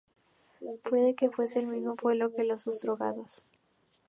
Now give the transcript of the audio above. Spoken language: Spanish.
Puede que fuese el mismo pueblo que los ostrogodos.